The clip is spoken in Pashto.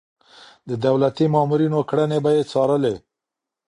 د دولتي مامورينو کړنې به يې څارلې.